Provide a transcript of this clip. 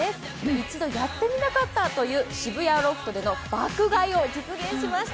一度やってみたかったという渋谷ロフトでの爆買いを実現しました。